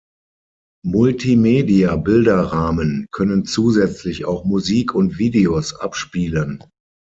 Multimedia-Bilderrahmen können zusätzlich auch Musik und Videos abspielen.